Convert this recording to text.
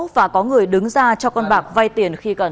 và có người đứng ra cho con bạc vai tiền khi cần